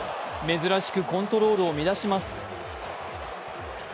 珍しくコントロールを乱します。